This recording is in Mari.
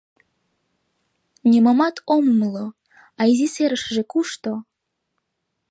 Нимомат ом умыло, а изи серышыже кушто?